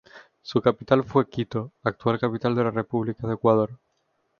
Su capital fue Quito, actual capital de la República de Ecuador.